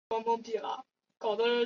后来刁吉罕反叛后黎朝。